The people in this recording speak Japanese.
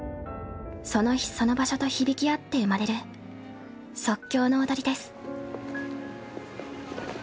その日その場所と響き合って生まれる即興の踊りです。